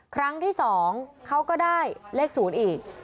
ครั้งที่๒เขาก็ได้เลข๐อีก